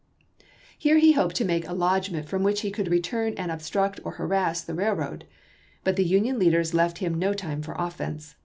Here he hoped to make a lodgment from which he could return and obstruct or harass the railroad, but the Union leaders left him no time for offense.